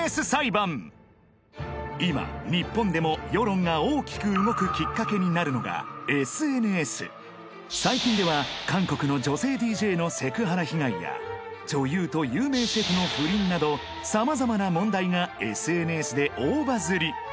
今日本でも世論が大きく動くきっかけになるのが最近では韓国の女性ＤＪのセクハラ被害や女優と有名シェフの不倫など様々な問題がＳＮＳで大バズり